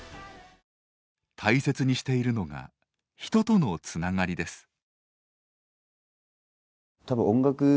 大切にしているのが人とのつながりです。